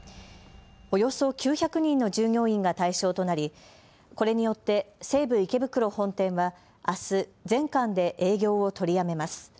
およそ９００人の従業員が対象となりこれによって西武池袋本店はあす全館で営業を取りやめます。